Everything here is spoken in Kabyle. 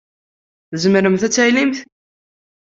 Tzemremt ad d-tallemt?